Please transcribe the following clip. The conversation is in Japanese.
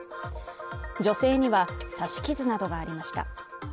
女性には刺し傷などがありました。